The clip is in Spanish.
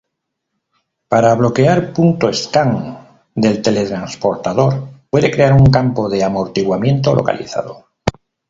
Para bloquear punto Scan del teletransportador, puede crear un campo de amortiguamiento localizado.